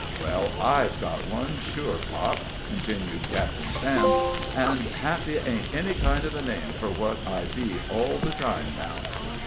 "Well, I've got one, sure pop," continued Captain Sam; "and happy ain't any kind of a name fur what I be all the time now."